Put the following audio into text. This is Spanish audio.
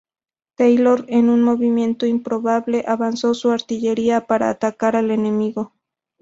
Taylor, en un movimiento improbable, avanzó su artillería para atacar al enemigo.